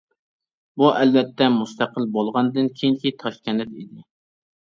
بۇ ئەلۋەتتە مۇستەقىل بولغاندىن كېيىنكى تاشكەنت ئىدى.